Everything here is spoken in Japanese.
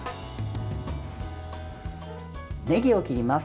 ねぎを切ります。